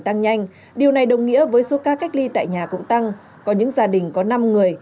tăng nhanh điều này đồng nghĩa với số ca cách ly tại nhà cũng tăng có những gia đình có năm người